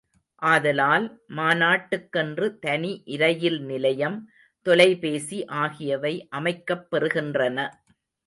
ஆதலால், மாநாட்டுக்கென்று தனி இரயில் நிலையம், தொலைபேசி ஆகியவை அமைக்கப் பெறுகின்றன.